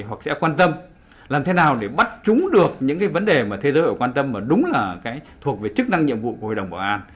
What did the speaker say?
hoặc sẽ quan tâm làm thế nào để bắt chúng được những cái vấn đề mà thế giới họ quan tâm và đúng là cái thuộc về chức năng nhiệm vụ của hội đồng bảo an